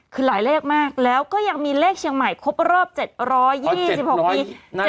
คือหลายเลขมากแล้วก็ยังมีเลขเชียงใหม่ครบรอบ๗๒๖ปี